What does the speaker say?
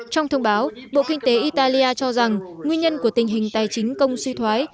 trong thông báo bộ kinh tế italia cho rằng nguyên nhân của tình hình tài chính công suy thoái